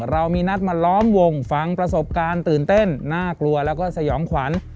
เรามีนัดมาล้อมวงฟังประสบการณ์ตื่นเต้นน่ากลัวแล้วก็สยองขวัญ